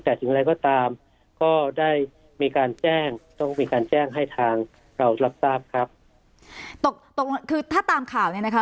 แต่ถึงอะไรก็ตามก็ได้มีการแจ้งต้องมีการแจ้งให้ทางเรารับทราบครับตกตกลงคือถ้าตามข่าวเนี่ยนะคะ